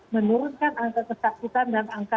menurunkan angka kesakitan dan angka